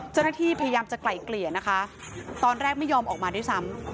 เจ้าหน้าที่พยายามจะไกล่เกลี่ยนะคะตอนแรกไม่ยอมออกมาด้วยซ้ำ